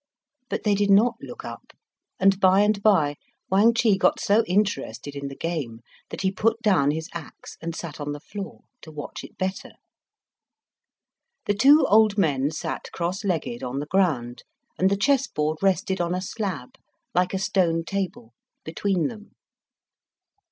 But they did not look up, and by and by Wang Chih got so interested in the game that he put down his axe, and sat on the floor to watch it better. The two old men sat cross legged on the ground, and the chessboard rested on a slab, like a stone table, between them.